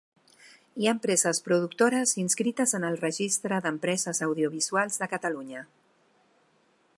Hi ha empreses productores inscrites en el Registre d'Empreses Audiovisuals de Catalunya.